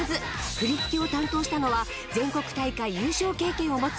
振り付けを担当したのは全国大会優勝経験を持つ